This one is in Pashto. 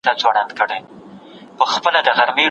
ښوونځي ماشومې د خپلو حقونو څخه خبروي.